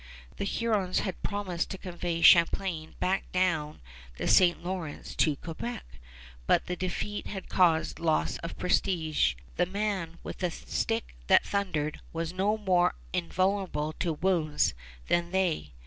The Hurons had promised to convey Champlain back down the St. Lawrence to Quebec, but the defeat had caused loss of prestige. The man "with the stick that thundered" was no more invulnerable to wounds than they.